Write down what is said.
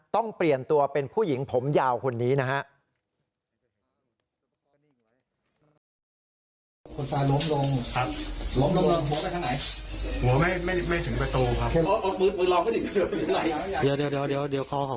ต้องเปลี่ยนตัวเป็นผู้หญิงผมยาวคนนี้นะฮะ